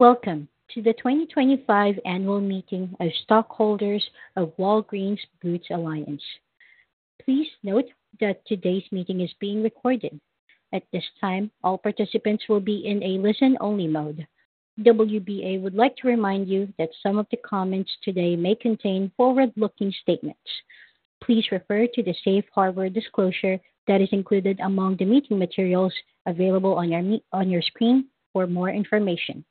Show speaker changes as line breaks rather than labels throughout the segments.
Welcome to the 2025 Annual Meeting of Stockholders of Walgreens Boots Alliance. Please note that today's meeting is being recorded. At this time, all participants will be in a listen-only mode. WBA would like to remind you that some of the comments today may contain forward-looking statements. Please refer to the safe harbor disclosure that is included among the meeting materials available on your screen for more information.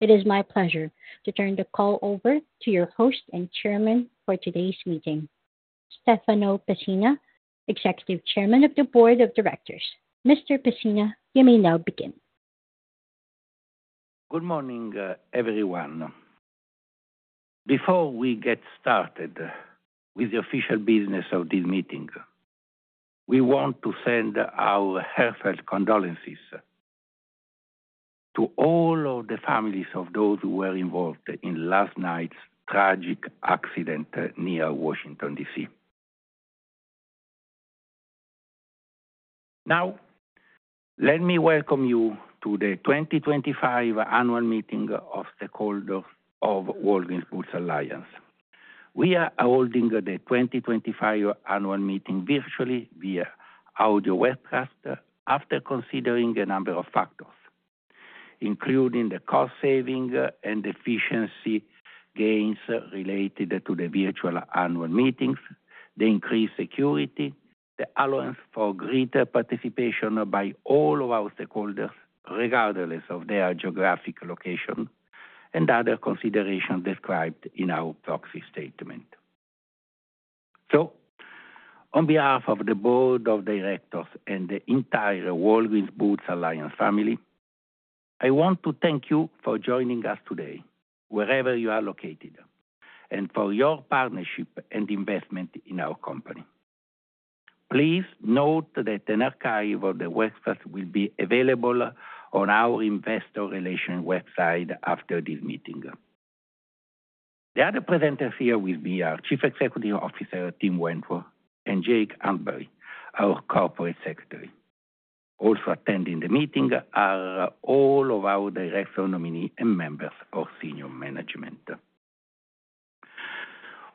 It is my pleasure to turn the call over to your host and chairman for today's meeting, Stefano Pessina, Executive Chairman of the Board of Directors. Mr. Pessina, you may now begin.
Good morning, everyone. Before we get started with the official business of this meeting, we want to send our heartfelt condolences to all of the families of those who were involved in last night's tragic accident near Washington, D.C. Now, let me welcome you to the 2025 Annual Meeting of Stakeholders of Walgreens Boots Alliance. We are holding the 2025 Annual Meeting virtually via audio webcast after considering a number of factors, including the cost-saving and efficiency gains related to the virtual annual meetings, the increased security, the allowance for greater participation by all of our stakeholders, regardless of their geographic location, and other considerations described in our proxy statement. So, on behalf of the Board of Directors and the entire Walgreens Boots Alliance family, I want to thank you for joining us today, wherever you are located, and for your partnership and investment in our company. Please note that an archive of the webcast will be available on our investor relations website after this meeting. The other presenters here with me are Chief Executive Officer Tim Wentworth and Jake Amsbary, our Corporate Secretary. Also attending the meeting are all of our director nominees and members of senior management.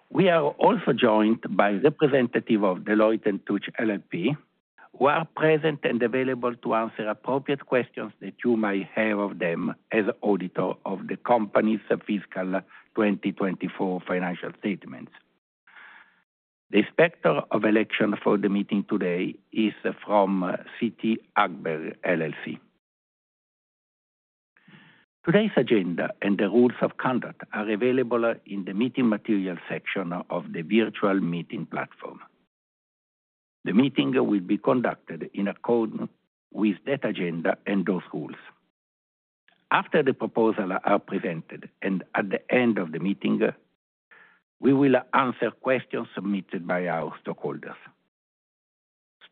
We are also joined by representatives of Deloitte & Touche LLP, who are present and available to answer appropriate questions that you might have of them as auditors of the company's fiscal 2024 financial statements. The inspector of elections for the meeting today is from CT Hagberg LLC. Today's agenda and the rules of conduct are available in the meeting material section of the virtual meeting platform. The meeting will be conducted in accord with that agenda and those rules. After the proposals are presented and at the end of the meeting, we will answer questions submitted by our stakeholders.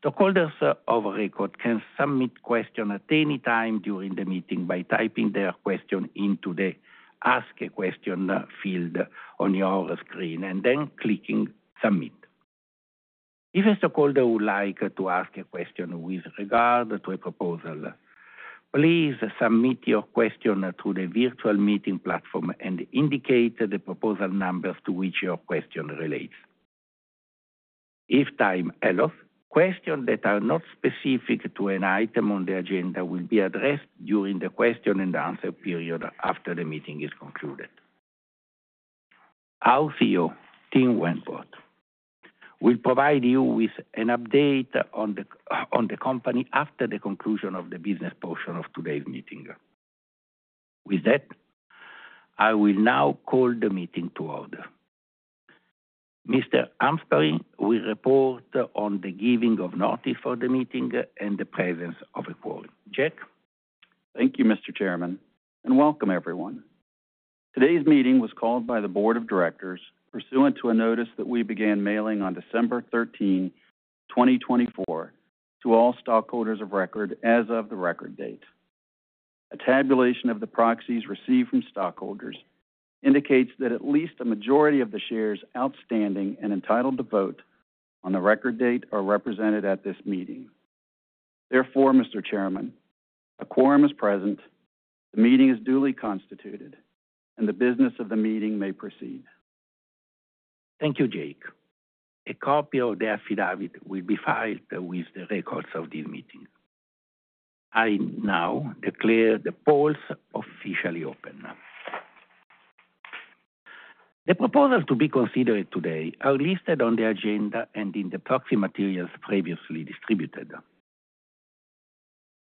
Stakeholders of record can submit questions at any time during the meeting by typing their question into the Ask a Question field on your screen and then clicking Submit. If a stakeholder would like to ask a question with regard to a proposal, please submit your question through the virtual meeting platform and indicate the proposal number to which your question relates. If time allows, questions that are not specific to an item on the agenda will be addressed during the question-and-answer period after the meeting is concluded. Our CEO, Tim Wentworth, will provide you with an update on the company after the conclusion of the business portion of today's meeting. With that, I will now call the meeting to order. Mr. Amsbary will report on the giving of notice for the meeting and the presence of a quorum. Jake?
Thank you, Mr. Chairman, and welcome, everyone. Today's meeting was called by the Board of Directors pursuant to a notice that we began mailing on December 13, 2024, to all stockholders of record as of the record date. A tabulation of the proxies received from stockholders indicates that at least a majority of the shares outstanding and entitled to vote on the record date are represented at this meeting. Therefore, Mr. Chairman, a quorum is present, the meeting is duly constituted, and the business of the meeting may proceed.
Thank you, Jake. A copy of the affidavit will be filed with the records of this meeting. I now declare the polls officially open. The proposals to be considered today are listed on the agenda and in the proxy materials previously distributed.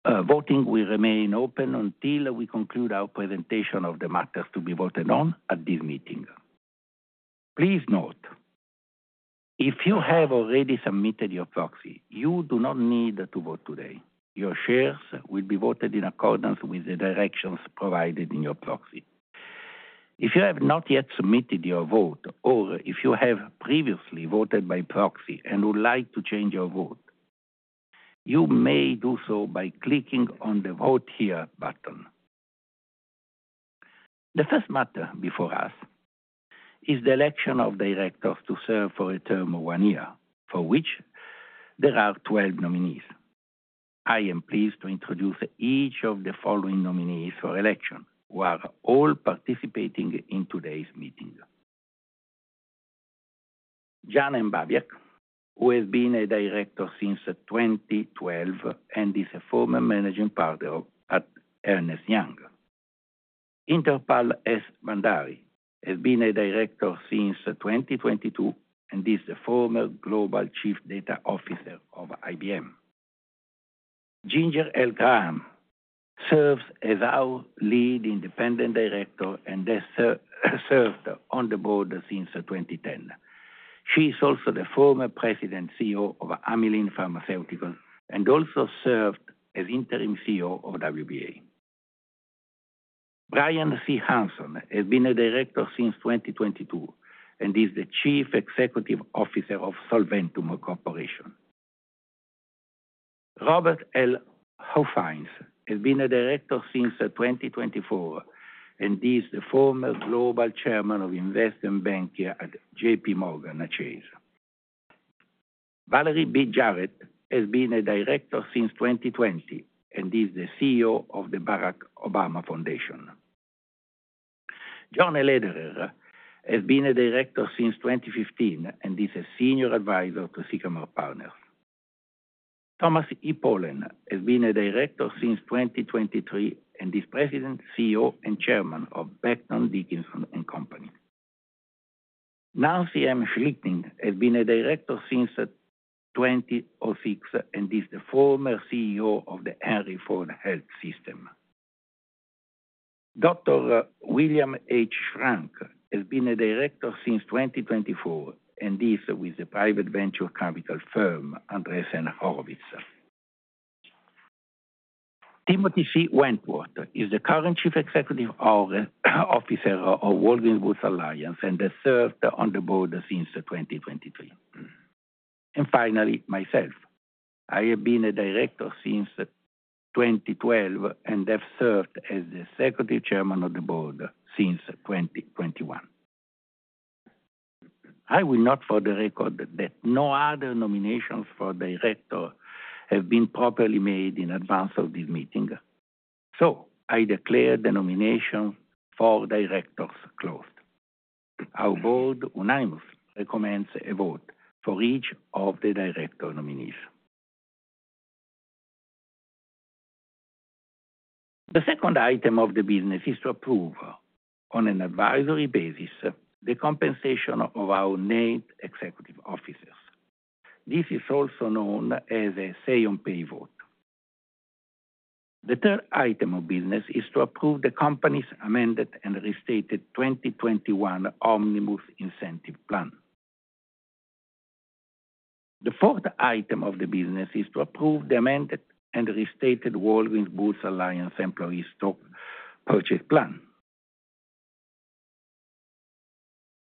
Voting will remain open until we conclude our presentation of the matters to be voted on at this meeting. Please note, if you have already submitted your proxy, you do not need to vote today. Your shares will be voted in accordance with the directions provided in your proxy. If you have not yet submitted your vote, or if you have previously voted by proxy and would like to change your vote, you may do so by clicking on the Vote Here button. The first matter before us is the election of directors to serve for a term of one year, for which there are 12 nominees. I am pleased to introduce each of the following nominees for election, who are all participating in today's meeting: Janice M. Babiak, who has been a director since 2012 and is a former managing partner at Ernst & Young. Inderpal S. Bhandari has been a director since 2022 and is a former Global Chief Data Officer of IBM. Ginger L. Graham serves as our lead independent director and has served on the board since 2010. She is also the former president CEO of Amylin Pharmaceuticals and also served as interim CEO of WBA. Bryan C. Hanson has been a director since 2022 and is the chief executive officer of Solventum Corporation. Robert L. Huffines has been a director since 2024 and is the former global chairman of investment bank at JPMorgan Chase. Valerie B. Jarrett has been a director since 2020 and is the CEO of the Barack Obama Foundation. John A. Lederer has been a director since 2015 and is a senior advisor to Sycamore Partners. Thomas E. Polen has been a director since 2023 and is President, CEO, and Chairman of Becton, Dickinson and Company. Nancy M. Schlichting has been a director since 2006 and is the former CEO of the Henry Ford Health System. Dr. William H. Shrank has been a director since 2024 and is with the private venture capital firm Andreessen Horowitz. Timothy C. Wentworth is the current Chief Executive Officer of Walgreens Boots Alliance and served on the board since 2023. Finally, myself. I have been a director since 2012 and have served as the Executive Chairman of the Board since 2021. I will note for the record that no other nominations for director have been properly made in advance of this meeting. I declare the nomination for directors closed. Our board unanimously recommends a vote for each of the director nominees. The second item of the business is to approve on an advisory basis the compensation of our named executive officers. This is also known as a say-on-pay vote. The third item of business is to approve the company's amended and restated 2021 Omnibus Incentive Plan. The fourth item of the business is to approve the amended and restated Walgreens Boots Alliance Employee Stock Purchase plan.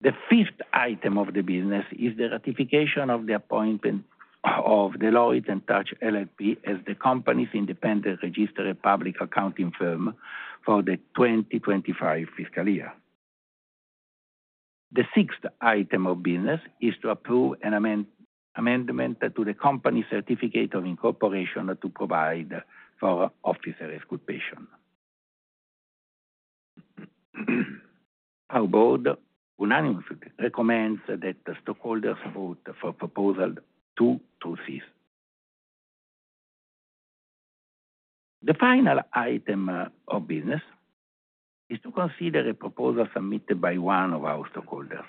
The fifth item of the business is the ratification of the appointment of Deloitte & Touche LLP as the company's independent registered public accounting firm for the 2025 fiscal year. The sixth item of business is to approve an amendment to the company's certificate of incorporation to provide for officer exculpation. Our board unanimously recommends that the stakeholders vote for proposal two to six. The final item of business is to consider a proposal submitted by one of our stakeholders.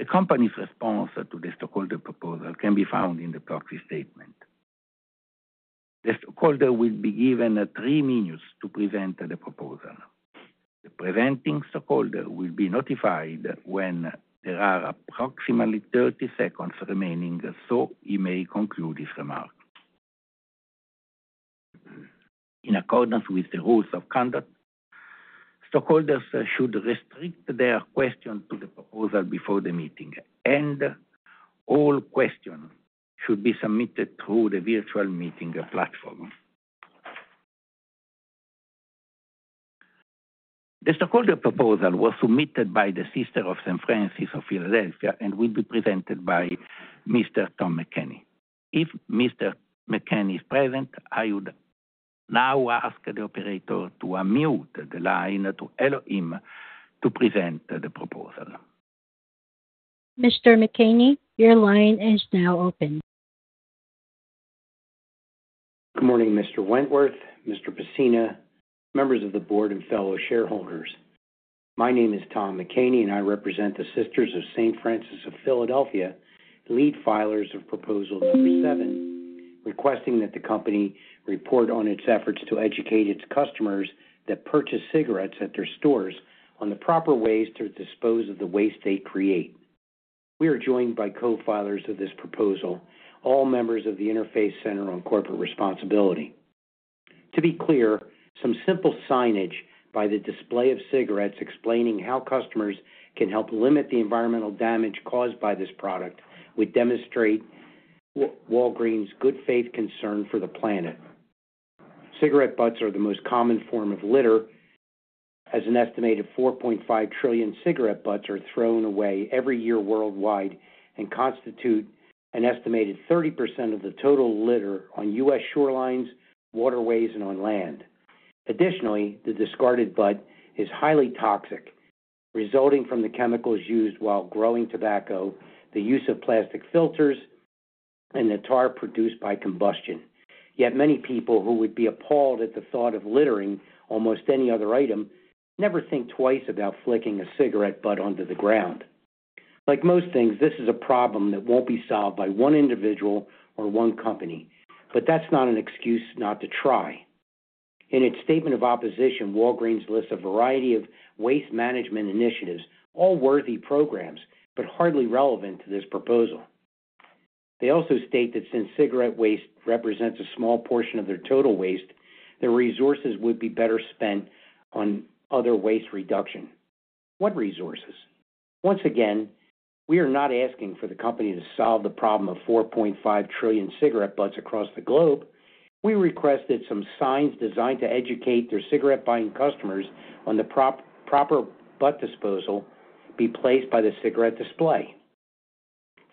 The company's response to the stakeholder proposal can be found in the proxy statement. The stakeholder will be given three minutes to present the proposal. The presenting stakeholder will be notified when there are approximately 30 seconds remaining, so he may conclude his remarks. In accordance with the rules of conduct, stakeholders should restrict their questions to the proposal before the meeting, and all questions should be submitted through the virtual meeting platform. The stakeholder proposal was submitted by the Sisters of St. Francis of Philadelphia and will be presented by Mr. Tom McCaney. If Mr. McCaney is present, I would now ask the operator to unmute the line to allow him to present the proposal.
Mr. McCaney, your line is now open.
Good morning, Mr. Wentworth, Mr. Pessina, members of the board, and fellow shareholders. My name is Tom McCaney, and I represent the Sisters of St. Francis of Philadelphia, lead filers of proposal number seven, requesting that the company report on its efforts to educate its customers that purchase cigarettes at their stores on the proper ways to dispose of the waste they create. We are joined by co-filers of this proposal, all members of the Interfaith Center on Corporate Responsibility. To be clear, some simple signage by the display of cigarettes explaining how customers can help limit the environmental damage caused by this product would demonstrate Walgreens' good faith concern for the planet. Cigarette butts are the most common form of litter, as an estimated 4.5 trillion cigarette butts are thrown away every year worldwide and constitute an estimated 30% of the total litter on U.S. Shorelines, waterways, and on land. Additionally, the discarded butt is highly toxic, resulting from the chemicals used while growing tobacco, the use of plastic filters, and the tar produced by combustion. Yet many people who would be appalled at the thought of littering almost any other item never think twice about flicking a cigarette butt onto the ground. Like most things, this is a problem that won't be solved by one individual or one company, but that's not an excuse not to try. In its statement of opposition, Walgreens lists a variety of waste management initiatives, all worthy programs but hardly relevant to this proposal. They also state that since cigarette waste represents a small portion of their total waste, their resources would be better spent on other waste reduction. What resources? Once again, we are not asking for the company to solve the problem of 4.5 trillion cigarette butts across the globe. We request that some signs designed to educate their cigarette-buying customers on the proper butt disposal be placed by the cigarette display.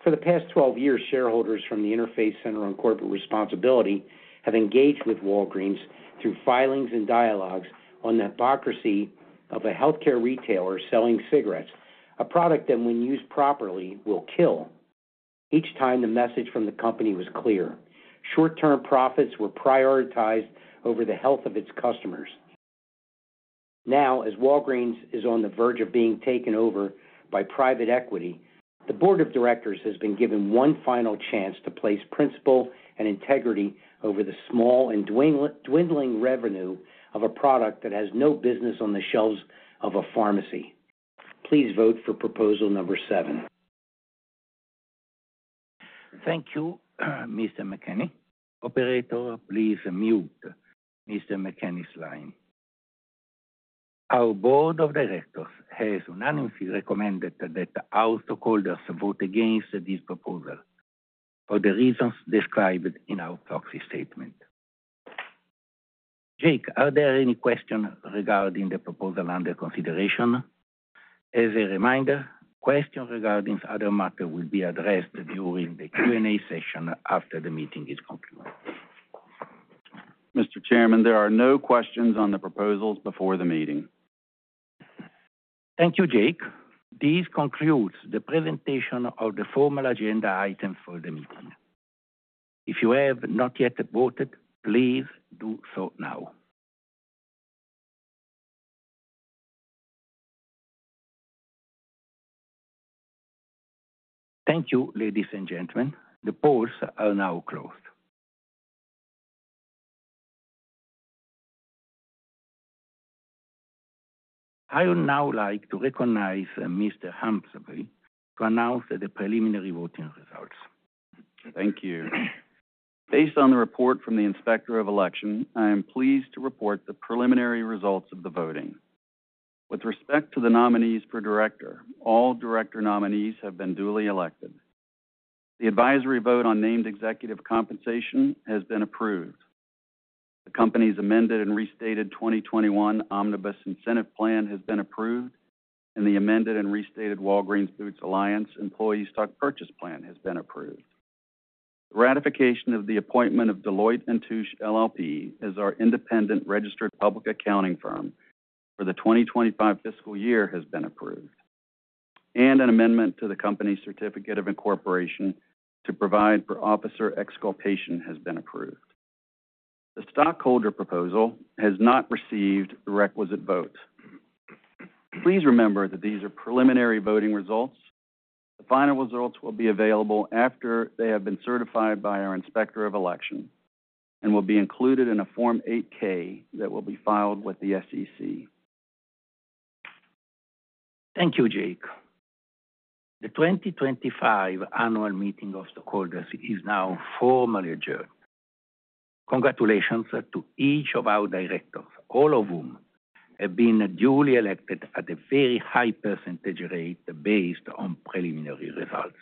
For the past 12 years, shareholders from the Interfaith Center on Corporate Responsibility have engaged with Walgreens through filings and dialogues on the hypocrisy of a healthcare retailer selling cigarettes, a product that, when used properly, will kill. Each time, the message from the company was clear. Short-term profits were prioritized over the health of its customers. Now, as Walgreens is on the verge of being taken over by private equity, the board of directors has been given one final chance to place principle and integrity over the small and dwindling revenue of a product that has no business on the shelves of a pharmacy. Please vote for proposal number seven.
Thank you, Mr. McCaney. Operator, please mute Mr. McCaney's line. Our board of directors has unanimously recommended that our stakeholders vote against this proposal for the reasons described in our proxy statement. Jake, are there any questions regarding the proposal under consideration? As a reminder, questions regarding other matters will be addressed during the Q&A session after the meeting is concluded.
Mr. Chairman, there are no questions on the proposals before the meeting.
Thank you, Jake. This concludes the presentation of the formal agenda items for the meeting. If you have not yet voted, please do so now. Thank you, ladies and gentlemen. The polls are now closed. I would now like to recognize Mr. Amsbary to announce the preliminary voting results.
Thank you. Based on the report from the inspector of election, I am pleased to report the preliminary results of the voting. With respect to the nominees for director, all director nominees have been duly elected. The advisory vote on named executive compensation has been approved. The company's amended and restated 2021 omnibus incentive plan has been approved, and the amended and restated Walgreens Boots Alliance employee stock purchase plan has been approved. The ratification of the appointment of Deloitte & Touche LLP as our independent registered public accounting firm for the 2025 fiscal year has been approved, and an amendment to the company's certificate of incorporation to provide for officer exculpation has been approved. The stockholder proposal has not received the requisite vote. Please remember that these are preliminary voting results. The final results will be available after they have been certified by our inspector of election and will be included in a Form 8-K that will be filed with the SEC.
Thank you, Jake. The 2025 annual meeting of stakeholders is now formally adjourned. Congratulations to each of our directors, all of whom have been duly elected at a very high percentage rate based on preliminary results.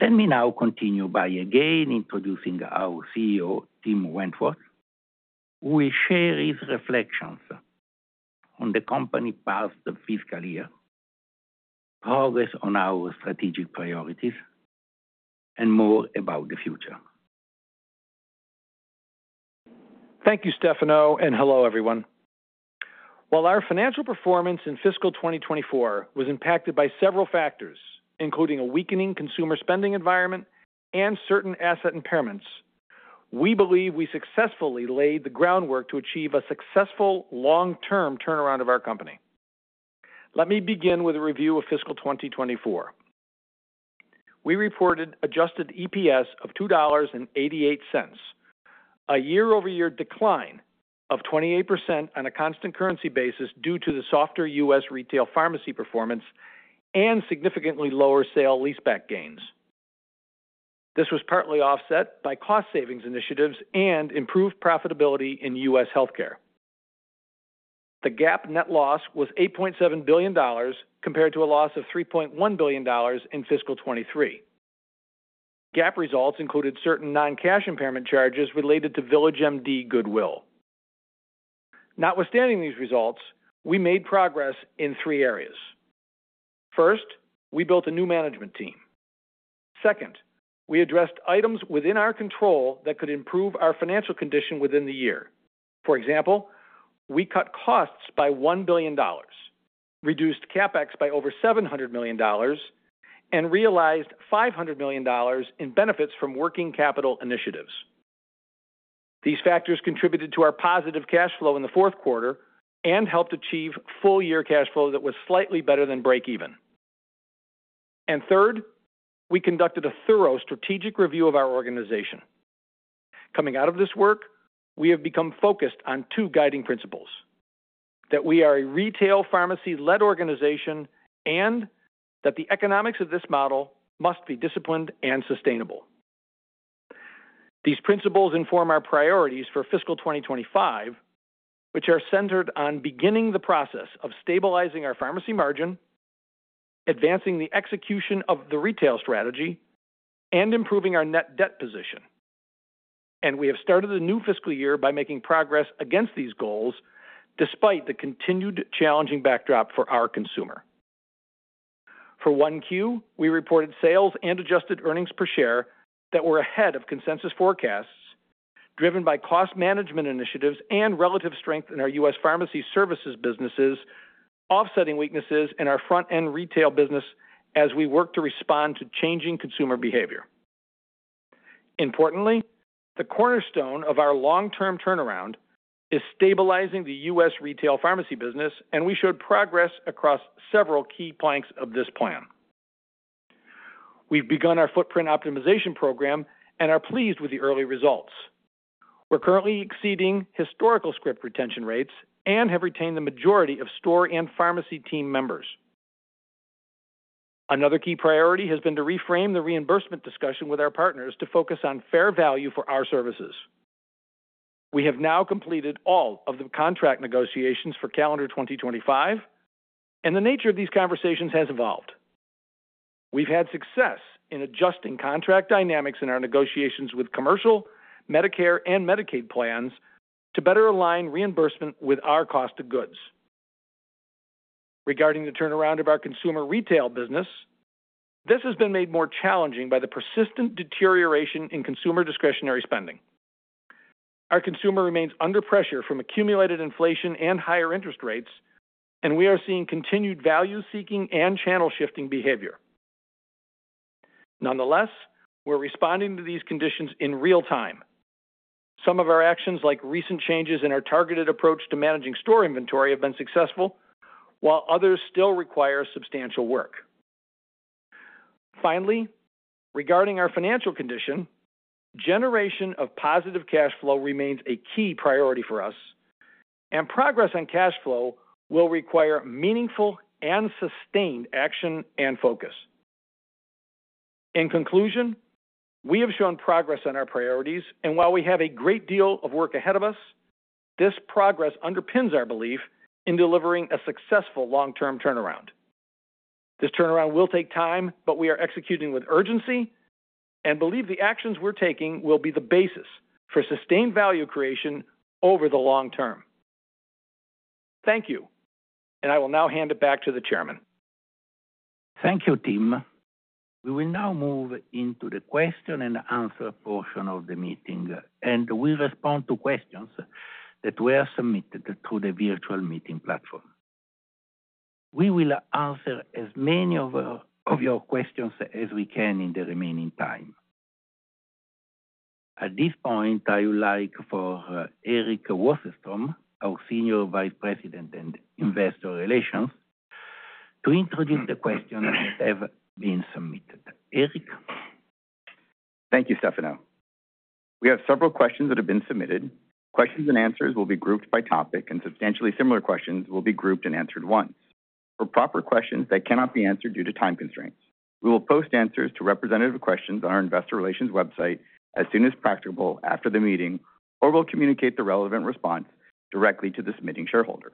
Let me now continue by again introducing our CEO, Tim Wentworth, who will share his reflections on the company past fiscal year, progress on our strategic priorities, and more about the future.
Thank you, Stefano, and hello, everyone. While our financial performance in fiscal 2024 was impacted by several factors, including a weakening consumer spending environment and certain asset impairments, we believe we successfully laid the groundwork to achieve a successful long-term turnaround of our company. Let me begin with a review of fiscal 2024. We reported adjusted EPS of $2.88, a year-over-year decline of 28% on a constant currency basis due to the softer U.S. retail pharmacy performance and significantly lower sale leaseback gains. This was partly offset by cost savings initiatives and improved profitability in U.S. healthcare. The GAAP net loss was $8.7 billion compared to a loss of $3.1 billion in fiscal 2023. GAAP results included certain non-cash impairment charges related to VillageMD goodwill. Notwithstanding these results, we made progress in three areas. First, we built a new management team. Second, we addressed items within our control that could improve our financial condition within the year. For example, we cut costs by $1 billion, reduced CapEx by over $700 million, and realized $500 million in benefits from working capital initiatives. These factors contributed to our positive cash flow in the fourth quarter and helped achieve full-year cash flow that was slightly better than break-even. And third, we conducted a thorough strategic review of our organization. Coming out of this work, we have become focused on two guiding principles: that we are a retail pharmacy-led organization and that the economics of this model must be disciplined and sustainable. These principles inform our priorities for fiscal 2025, which are centered on beginning the process of stabilizing our pharmacy margin, advancing the execution of the retail strategy, and improving our net debt position. And we have started a new fiscal year by making progress against these goals despite the continued challenging backdrop for our consumer. For Q1, we reported sales and adjusted earnings per share that were ahead of consensus forecasts, driven by cost management initiatives and relative strength in our U.S. pharmacy services businesses, offsetting weaknesses in our front-end retail business as we work to respond to changing consumer behavior. Importantly, the cornerstone of our long-term turnaround is stabilizing the U.S. retail pharmacy business, and we showed progress across several key planks of this plan. We've begun our footprint optimization program and are pleased with the early results. We're currently exceeding historical script retention rates and have retained the majority of store and pharmacy team members. Another key priority has been to reframe the reimbursement discussion with our partners to focus on fair value for our services. We have now completed all of the contract negotiations for calendar 2025, and the nature of these conversations has evolved. We've had success in adjusting contract dynamics in our negotiations with commercial, Medicare, and Medicaid plans to better align reimbursement with our cost of goods. Regarding the turnaround of our consumer retail business, this has been made more challenging by the persistent deterioration in consumer discretionary spending. Our consumer remains under pressure from accumulated inflation and higher interest rates, and we are seeing continued value-seeking and channel-shifting behavior. Nonetheless, we're responding to these conditions in real time. Some of our actions, like recent changes in our targeted approach to managing store inventory, have been successful, while others still require substantial work. Finally, regarding our financial condition, generation of positive cash flow remains a key priority for us, and progress on cash flow will require meaningful and sustained action and focus. In conclusion, we have shown progress on our priorities, and while we have a great deal of work ahead of us, this progress underpins our belief in delivering a successful long-term turnaround. This turnaround will take time, but we are executing with urgency and believe the actions we're taking will be the basis for sustained value creation over the long term. Thank you, and I will now hand it back to the chairman.
Thank you, Tim. We will now move into the question-and-answer portion of the meeting, and we'll respond to questions that were submitted through the virtual meeting platform. We will answer as many of your questions as we can in the remaining time. At this point, I would like for Eric Wasserstrom, our senior vice president and investor relations, to introduce the questions that have been submitted. Eric?
Thank you, Stefano. We have several questions that have been submitted. Questions and answers will be grouped by topic, and substantially similar questions will be grouped and answered once. For proper questions that cannot be answered due to time constraints, we will post answers to representative questions on our investor relations website as soon as practicable after the meeting or will communicate the relevant response directly to the submitting shareholder.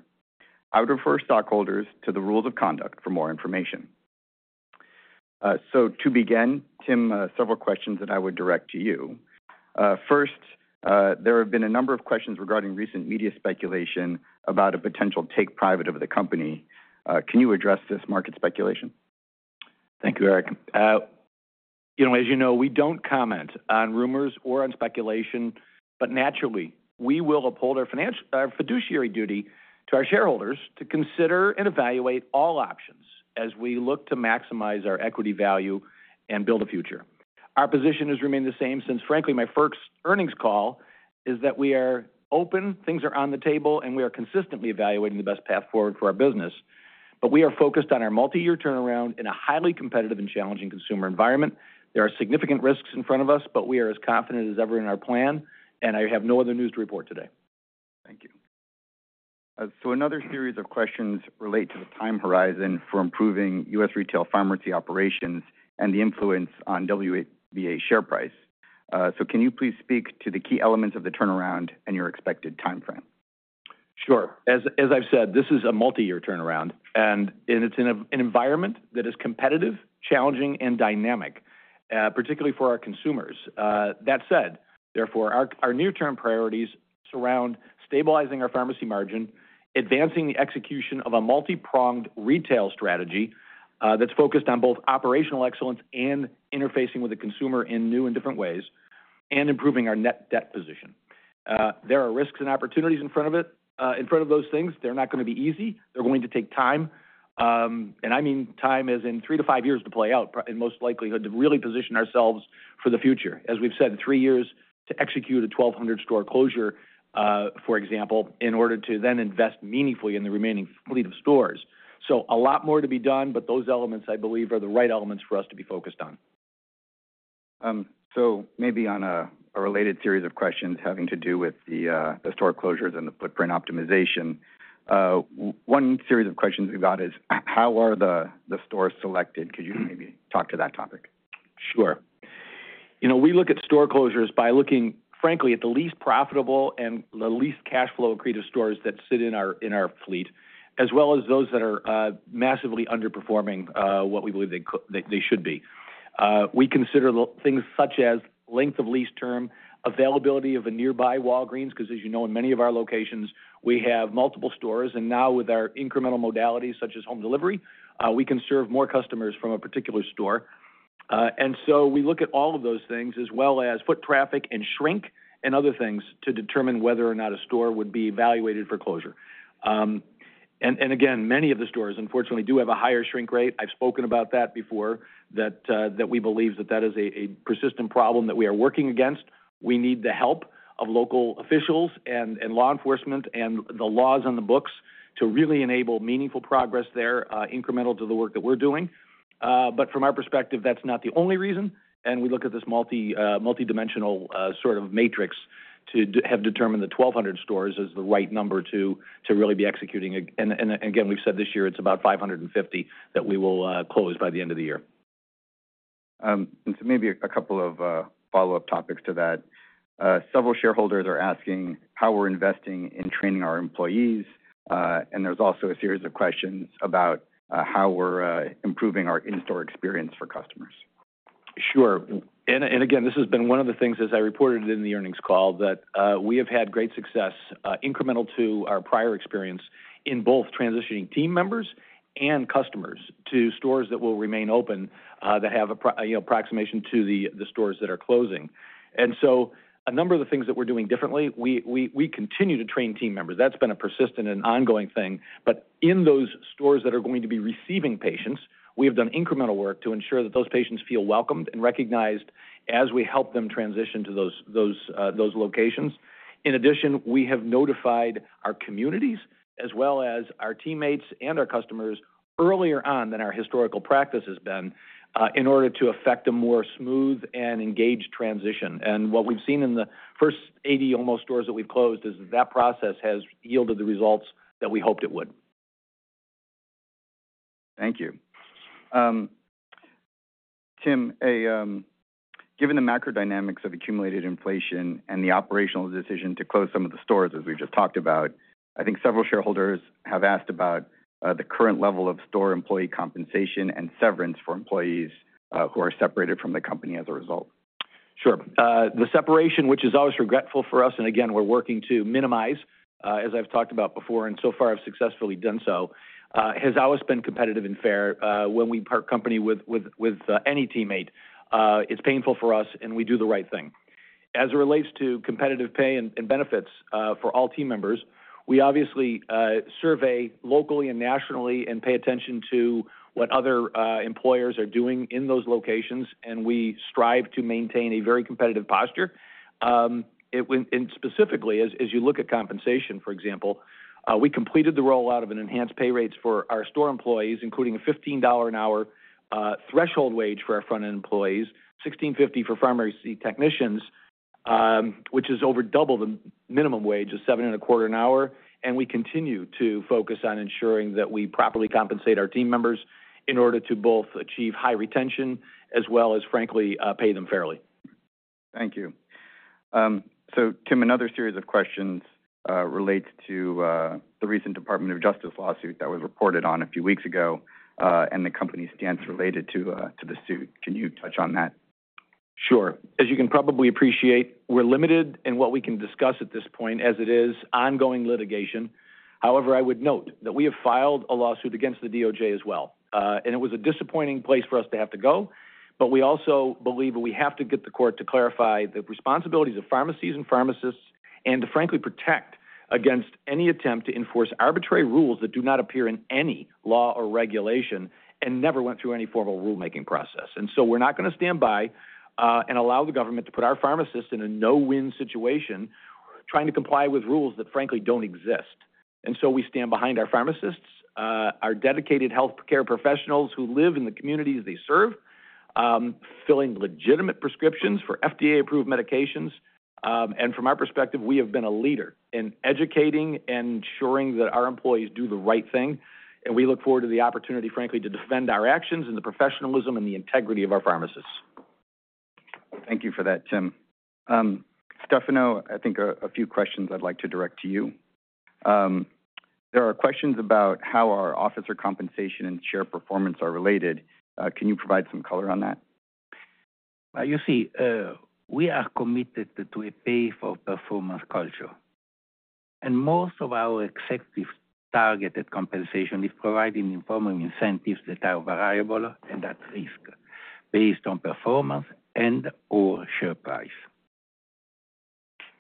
I would refer stockholders to the rules of conduct for more information. So, to begin, Tim, several questions that I would direct to you. First, there have been a number of questions regarding recent media speculation about a potential take-private of the company. Can you address this market speculation? Thank you, Eric. As you know, we don't comment on rumors or on speculation, but naturally, we will uphold our fiduciary duty to our shareholders to consider and evaluate all options as we look to maximize our equity value and build a future. Our position has remained the same since, frankly, my first earnings call is that we are open, things are on the table, and we are consistently evaluating the best path forward for our business. But we are focused on our multi-year turnaround in a highly competitive and challenging consumer environment. There are significant risks in front of us, but we are as confident as ever in our plan, and I have no other news to report today. Thank you. So, another series of questions relate to the time horizon for improving U.S. retail pharmacy operations and the influence on WBA share price. So, can you please speak to the key elements of the turnaround and your expected timeframe? Sure. As I've said, this is a multi-year turnaround, and it's in an environment that is competitive, challenging, and dynamic, particularly for our consumers. That said, therefore, our near-term priorities surround stabilizing our pharmacy margin, advancing the execution of a multi-pronged retail strategy that's focused on both operational excellence and interfacing with the consumer in new and different ways, and improving our net debt position. There are risks and opportunities in front of those things. They're not going to be easy. They're going to take time. And I mean time as in three to five years to play out, in most likelihood, to really position ourselves for the future. As we've said, three years to execute a 1,200-store closure, for example, in order to then invest meaningfully in the remaining fleet of stores. A lot more to be done, but those elements, I believe, are the right elements for us to be focused on. Maybe on a related series of questions having to do with the store closures and the footprint optimization, one series of questions we've got is, how are the stores selected? Could you maybe talk to that topic? Sure. We look at store closures by looking, frankly, at the least profitable and the least cash flow accretive stores that sit in our fleet, as well as those that are massively underperforming what we believe they should be. We consider things such as length of lease term, availability of a nearby Walgreens, because, as you know, in many of our locations, we have multiple stores. Now, with our incremental modalities such as home delivery, we can serve more customers from a particular store. And so, we look at all of those things, as well as foot traffic and shrink and other things to determine whether or not a store would be evaluated for closure. And again, many of the stores, unfortunately, do have a higher shrink rate. I've spoken about that before, that we believe that that is a persistent problem that we are working against. We need the help of local officials and law enforcement and the laws on the books to really enable meaningful progress there, incremental to the work that we're doing. But from our perspective, that's not the only reason. And we look at this multidimensional sort of matrix to have determined the 1,200 stores as the right number to really be executing. And again, we've said this year it's about 550 that we will close by the end of the year. And so, maybe a couple of follow-up topics to that. Several shareholders are asking how we're investing in training our employees, and there's also a series of questions about how we're improving our in-store experience for customers. Sure. And again, this has been one of the things, as I reported in the earnings call, that we have had great success incremental to our prior experience in both transitioning team members and customers to stores that will remain open that have approximation to the stores that are closing. And so, a number of the things that we're doing differently, we continue to train team members. That's been a persistent and ongoing thing. But in those stores that are going to be receiving patients, we have done incremental work to ensure that those patients feel welcomed and recognized as we help them transition to those locations. In addition, we have notified our communities, as well as our teammates and our customers, earlier on than our historical practice has been in order to effect a more smooth and engaged transition, and what we've seen in the first 80 almost stores that we've closed is that that process has yielded the results that we hoped it would. Thank you. Tim, given the macro dynamics of accumulated inflation and the operational decision to close some of the stores, as we've just talked about, I think several shareholders have asked about the current level of store employee compensation and severance for employees who are separated from the company as a result. Sure. The separation, which is always regretful for us, and again, we're working to minimize, as I've talked about before, and so far have successfully done so, has always been competitive and fair. When we part company with any teammate, it's painful for us, and we do the right thing. As it relates to competitive pay and benefits for all team members, we obviously survey locally and nationally and pay attention to what other employers are doing in those locations, and we strive to maintain a very competitive posture. Specifically, as you look at compensation, for example, we completed the rollout of enhanced pay rates for our store employees, including a $15 an hour threshold wage for our front-end employees, $16.50 for pharmacy technicians, which is over double the minimum wage of $7.25 an hour. We continue to focus on ensuring that we properly compensate our team members in order to both achieve high retention as well as, frankly, pay them fairly. Thank you. Tim, another series of questions relates to the recent Department of Justice lawsuit that was reported on a few weeks ago and the company's stance related to the suit. Can you touch on that? Sure. As you can probably appreciate, we're limited in what we can discuss at this point as it is ongoing litigation. However, I would note that we have filed a lawsuit against the DOJ as well. And it was a disappointing place for us to have to go, but we also believe that we have to get the court to clarify the responsibilities of pharmacies and pharmacists and to, frankly, protect against any attempt to enforce arbitrary rules that do not appear in any law or regulation and never went through any formal rulemaking process. We're not going to stand by and allow the government to put our pharmacists in a no-win situation trying to comply with rules that, frankly, don't exist. We stand behind our pharmacists, our dedicated healthcare professionals who live in the communities they serve, filling legitimate prescriptions for FDA-approved medications. From our perspective, we have been a leader in educating and ensuring that our employees do the right thing. We look forward to the opportunity, frankly, to defend our actions and the professionalism and the integrity of our pharmacists. Thank you for that, Tim. Stefano, I think a few questions I'd like to direct to you. There are questions about how our officer compensation and share performance are related. Can you provide some color on that?
You see, we are committed to a pay-for-performance culture, and most of our executives' targeted compensation is provided in the form of incentives that are variable and at risk based on performance and/or share price.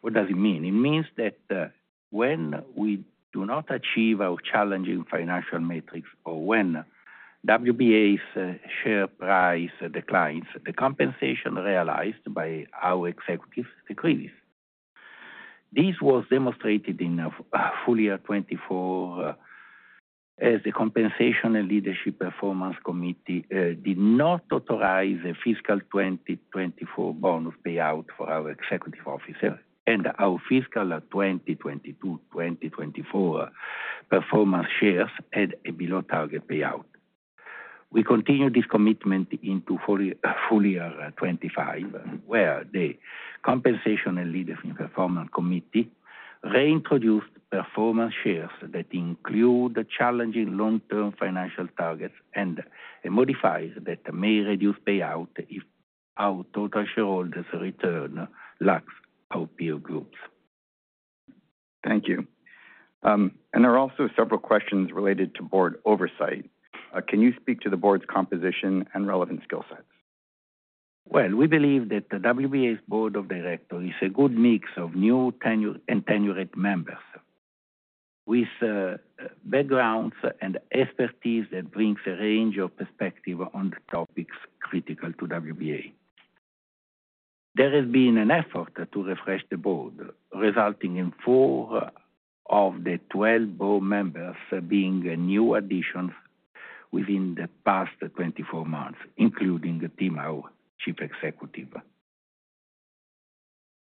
What does it mean? It means that when we do not achieve our challenging financial metrics or when WBA's share price declines, the compensation realized by our executives decreases. This was demonstrated in fiscal 24 as the Compensation and Leadership Performance Committee did not authorize a fiscal 2024 bonus payout for our executive officers, and our fiscal 2022-2024 performance shares had a below-target payout. We continue this commitment into fiscal 25, where the Compensation and Leadership Performance Committee reintroduced performance shares that include challenging long-term financial targets and modifiers that may reduce payout if our total shareholders' return lags our peer group.
Thank you. And there are also several questions related to board oversight. Can you speak to the board's composition and relevant skill sets?
We believe that the WBA's board of directors is a good mix of new and tenured members with backgrounds and expertise that brings a range of perspectives on topics critical to WBA. There has been an effort to refresh the board, resulting in four of the 12 board members being new additions within the past 24 months, including Tim, our Chief Executive.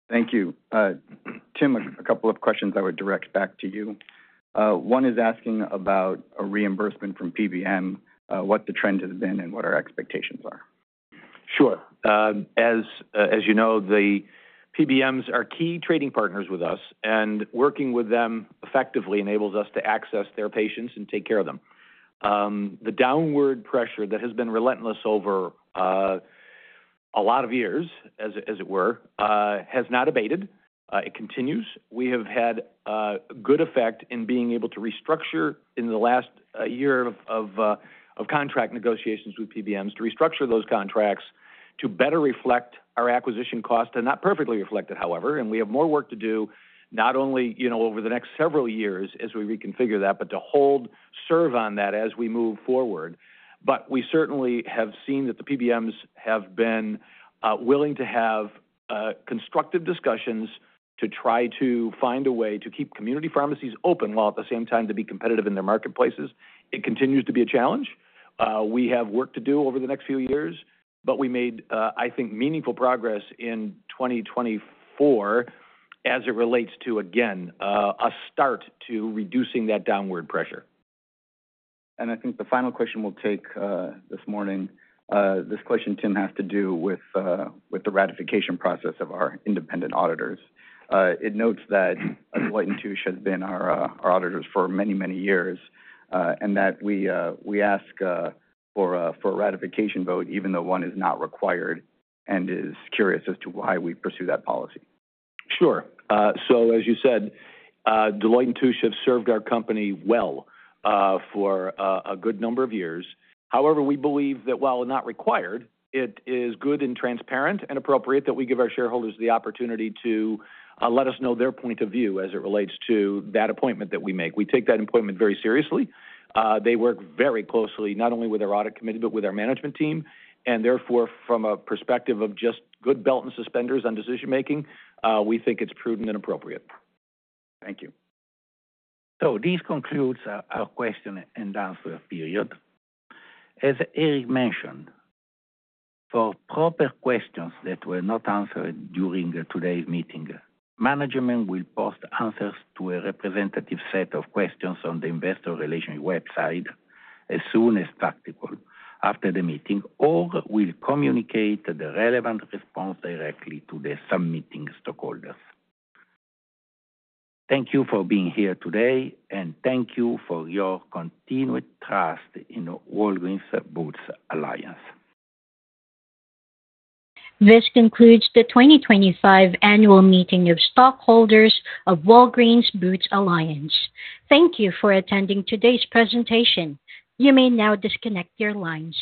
Thank you. Tim, a couple of questions I would direct back to you. One is asking about a reimbursement from PBM, what the trend has been and what our expectations are.
Sure. As you know, the PBMs are key trading partners with us, and working with them effectively enables us to access their patients and take care of them. The downward pressure that has been relentless over a lot of years, as it were, has not abated. It continues. We have had good effect in being able to restructure in the last year of contract negotiations with PBMs to restructure those contracts to better reflect our acquisition costs, and not perfectly reflect it, however, and we have more work to do, not only over the next several years as we reconfigure that, but to hold, serve on that as we move forward, but we certainly have seen that the PBMs have been willing to have constructive discussions to try to find a way to keep community pharmacies open while at the same time to be competitive in their marketplaces. It continues to be a challenge. We have work to do over the next few years, but we made, I think, meaningful progress in 2024 as it relates to, again, a start to reducing that downward pressure.
And I think the final question we'll take this morning, this question, Tim, has to do with the ratification process of our independent auditors. It notes that Deloitte & Touche have been our auditors for many, many years and that we ask for a ratification vote even though one is not required and is curious as to why we pursue that policy.
Sure. So, as you said, Deloitte & Touche have served our company well for a good number of years. However, we believe that while not required, it is good and transparent and appropriate that we give our shareholders the opportunity to let us know their point of view as it relates to that appointment that we make. We take that appointment very seriously. They work very closely not only with our audit committee, but with our management team. And therefore, from a perspective of just good belt and suspenders on decision-making, we think it's prudent and appropriate.
Thank you.
This concludes our question and answer period. As Eric mentioned, for proper questions that were not answered during today's meeting, management will post answers to a representative set of questions on the investor relations website as soon as practical after the meeting, or will communicate the relevant response directly to the submitting stakeholders. Thank you for being here today, and thank you for your continued trust in Walgreens Boots Alliance.
This concludes the 2025 annual meeting of stockholders of Walgreens Boots Alliance. Thank you for attending today's presentation. You may now disconnect your lines.